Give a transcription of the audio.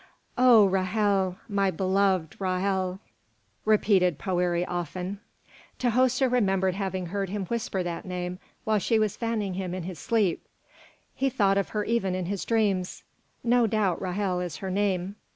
"Oh, Ra'hel, my beloved Ra'hel!" repeated Poëri often. Tahoser remembered having heard him whisper that name while she was fanning him in his sleep. "He thought of her even in his dreams. No doubt Ra'hel is her name."